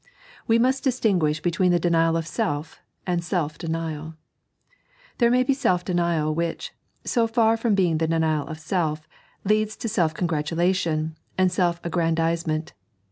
We must dis tinguish between the denial of self and self denial. There may be self deoial which, so far from being Uie denial of self, leads to self congratulation and self aggrandisement.